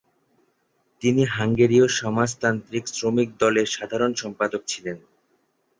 তিনি হাঙ্গেরীয় সমাজতান্ত্রিক শ্রমিক দল এর সাধারণ সম্পাদক ছিলেন।